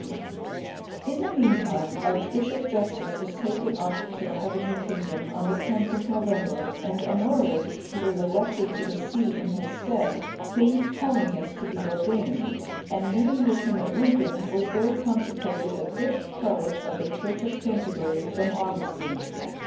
D.] In the meantime, Archbishop Justus was taken up to the heavenly kingdom, on the 10th of November,(258) and Honorius, who was elected to the see in his stead, came to Paulinus to be ordained, and meeting him at Lincoln was there consecrated the fifth prelate of the Church of Canterbury from Augustine.